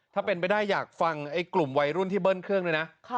ถ้าเป็นไปได้อยากฟังไอ้กลุ่มวัยรุ่นที่เบิ้ลเครื่องด้วยนะ